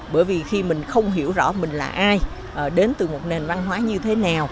bởi vì khi mình không hiểu rõ mình là ai đến từ một nền văn hóa như thế nào